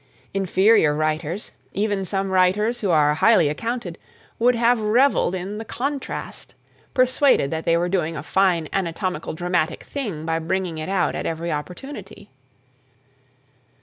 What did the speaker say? Inferior writers, even some writers who are highly accounted, would have revelled in the "contrast," persuaded that they were doing a fine anatomical dramatic thing by bringing it out at every opportunity.